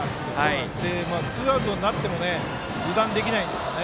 ツーアウトになっても油断できないんですよね。